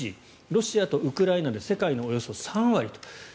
ロシアとウクライナで世界のおよそ３割と。